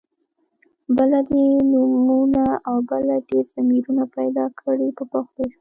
بله دې نومونه او بله دې ضمیرونه پیدا کړي په پښتو ژبه.